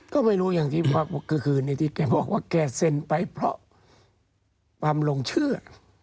ก็ไม่รู้อย่างที่คืนนี้ที่แกบอกว่าแกเซ็นไปเพราะความหลงเชื่อ